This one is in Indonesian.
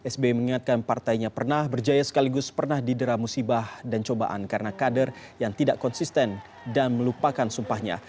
sbi mengingatkan partainya pernah berjaya sekaligus pernah didera musibah dan cobaan karena kader yang tidak konsisten dan melupakan sumpahnya